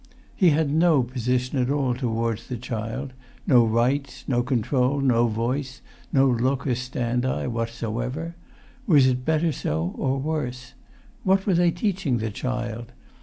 He had no position at all towards the child—no rights, no control, no voice, no locus standi whatsoever. Was it better so, or worse? What were they teaching the child?